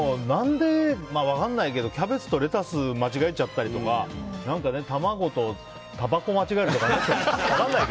分からないけどキャベツとレタス間違えちゃったりとか卵とたばこを間違えるとかね。